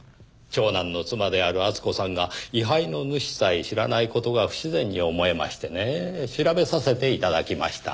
長男の妻である厚子さんが位牌の主さえ知らない事が不自然に思えましてね調べさせて頂きました。